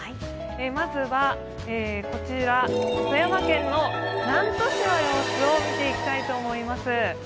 まずは、こちら、富山県の南砺市の様子を見ていきたいと思います。